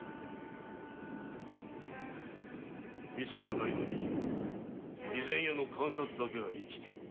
店がないのに備前屋の鑑札だけが生きている。